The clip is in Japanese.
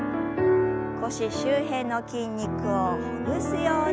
腰周辺の筋肉をほぐすように。